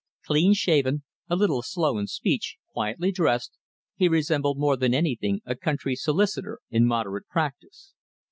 Clean shaven, a little slow in speech, quietly dressed, he resembled more than anything a country solicitor in moderate practice.